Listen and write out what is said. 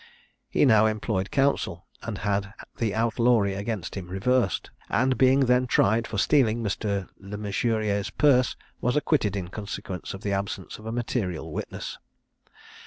He now employed counsel, and had the outlawry against him reversed; and being then tried for stealing Mr. Le Mesurier's purse, was acquitted in consequence of the absence of a material witness.